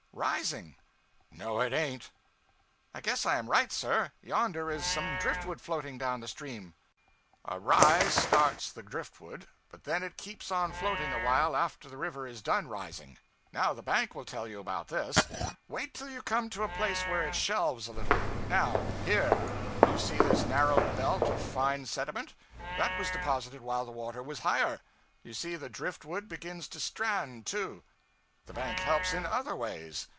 'Rising.' 'No it ain't.' 'I guess I am right, sir. Yonder is some drift wood floating down the stream.' 'A rise starts the drift wood, but then it keeps on floating a while after the river is done rising. Now the bank will tell you about this. Wait till you come to a place where it shelves a little. Now here; do you see this narrow belt of fine sediment That was deposited while the water was higher. You see the driftwood begins to strand, too. The bank helps in other ways.